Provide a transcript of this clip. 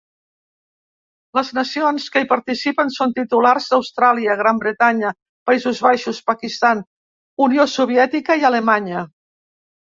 Les nacions que hi participen són: titulars d"Austràlia, Gran Bretanya, Països Baixos, Pakistan, Unió Soviètica i Alemanya.